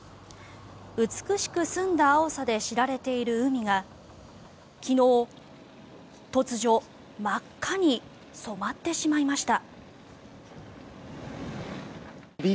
美しく澄んだ青さで知られている海が昨日、突如真っ赤に染まってしまいました。